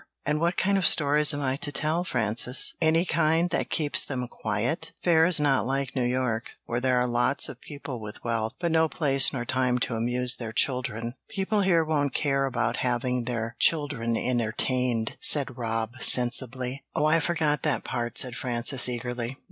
"And what kind of stories am I to tell, Frances? Any kind that keeps them quiet? Fayre is not like New York, where there are lots of people with wealth, but no place nor time to amuse their children. People here won't care about having their children entertained," said Rob, sensibly. "Oh, I forgot that part," said Frances, eagerly.